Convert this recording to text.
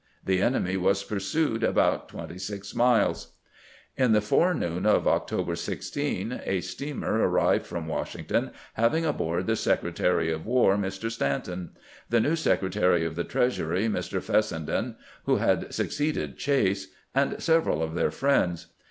The enemy was pursued about twenty six miles. In the forenoon of October 16 a steamer arrived from Washington, having aboard the Secretary of War, Mr. Stanton; the new Secretary of the Treasury, Mr. Fes senden, who had succeeded Chase ; and several of their friends.